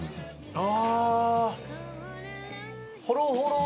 ああ！